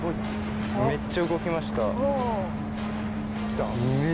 めっちゃ動きました。